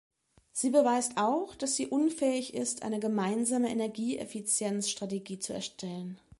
Sie beweist auch, dass sie unfähig ist, eine gemeinsame Energieeffizienz-Strategie zu erstellen.